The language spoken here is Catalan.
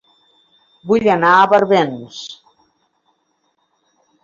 Vull anar a Barbens